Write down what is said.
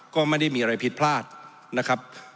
ก็ไม่ได้มีอะไรผิดพลาดนะครับ